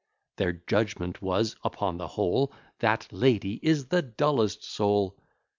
Their judgment was, upon the whole, That lady is the dullest soul!